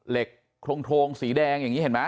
เหล็กโทงสีแดง